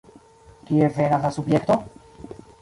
Kie venas la subjekto?